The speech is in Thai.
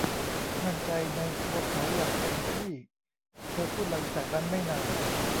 มั่นใจในตัวเขาอย่างเต็มที่ เธอพูดหลังจากนั้นไม่นาน.